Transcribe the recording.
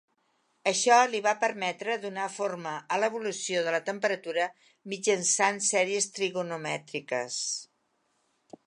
Això li va permetre donar forma a l'evolució de la temperatura mitjançant sèries trigonomètriques.